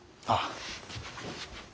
ああ。